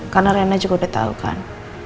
karena rena juga udah tau kan